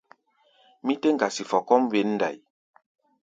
Mí tɛ́ ŋgasi fɔ kɔ́ʼm wěn ndai.